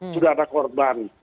sudah ada korban